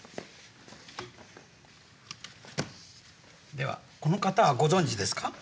ではこの方はご存じですか？